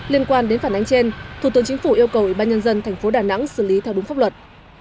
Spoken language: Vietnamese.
liên quan đến phản ánh trên thủ tướng chính phủ yêu cầu ủy ban nhân dân thành phố đà nẵng xử lý theo đúng pháp luật